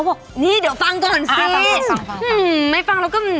ขอก็ดีเศร้าทำไมล่ะลูก